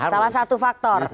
salah satu faktor